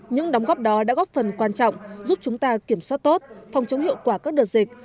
những đóng góp đó đã góp phần quan trọng giúp chúng ta kiểm soát tốt phòng chống hiệu quả các đợt dịch